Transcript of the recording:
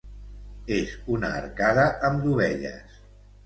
És una arcada amb dovelles.